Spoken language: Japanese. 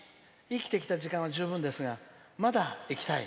生きてきた時間は十分ですがまだ生きたい。